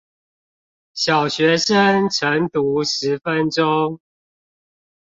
小學生晨讀十分鐘